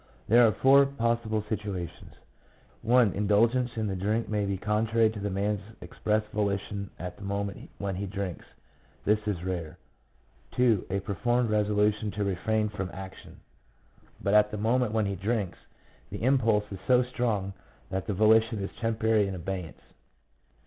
There are four possible situations: — 1. Indulgence in the drink may be contrary to the man's express volition at the moment when he drinks — this is rare. 2. A pre formed resolution to refrain from action; but at the moment when he drinks, the impulse is so strong that the volition is temporarily in abeyance.